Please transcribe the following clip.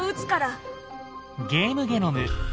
「ゲームゲノム」。